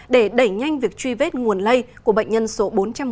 để đẩy nhanh việc truy vết nguồn lây của bệnh nhân số bốn trăm một mươi sáu